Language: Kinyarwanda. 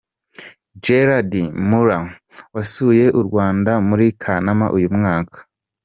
Gerd Müller, wasuye u Rwanda muri Kanama uyu mwaka.